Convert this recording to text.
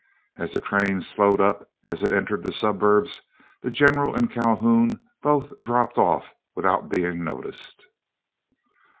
As the train slowed up as it entered the suburbs, the General and Calhoun both dropped off without being noticed.